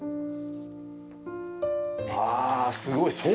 あぁ、すごい！